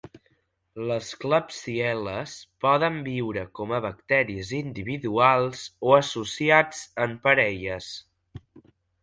Les klebsiel·les poden viure com a bacteris individuals o associats en parelles.